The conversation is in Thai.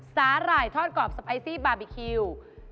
สาหร่ายทอดกรอบสไปซี่บาร์บีคิว